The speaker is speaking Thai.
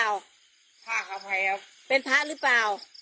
กัตรครับไหมครับเป็นพระหรือเปล่า